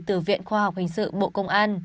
từ viện khoa học hình sự bộ công an